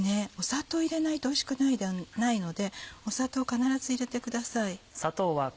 砂糖入れないとおいしくないので砂糖必ず入れてください。